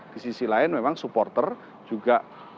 di sisi lain memang supporter juga